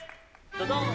ドドーン！